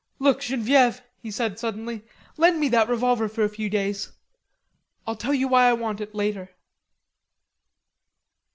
Look, Genevieve," he said suddenly, "lend me that revolver for a few days. I'll tell you why I want it later."